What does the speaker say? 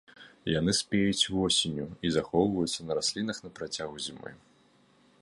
Яны спеюць восенню і захоўваюцца на раслінах на працягу зімы.